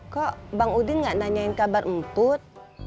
kok bang udin gak nanyain kabar emput